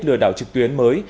lừa đảo trực tuyến mới